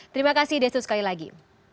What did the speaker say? terima kasih destu sekali lagi